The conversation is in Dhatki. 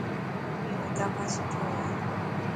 اي رو اداڪار سٺي هي.